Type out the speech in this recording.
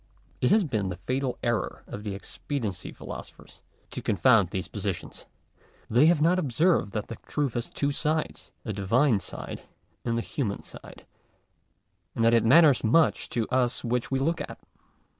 It has been the fatal error of the expediency philosophers to confound these positions. They have not observed that the truth has two sides, a Divine side and a human side ; and that it matters much to us which we look at.